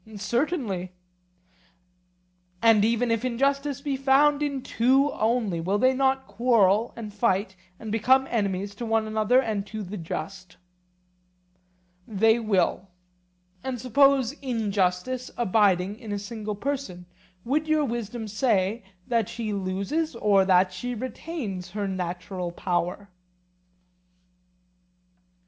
Certainly. And even if injustice be found in two only, will they not quarrel and fight, and become enemies to one another and to the just? They will. And suppose injustice abiding in a single person, would your wisdom say that she loses or that she retains her natural power?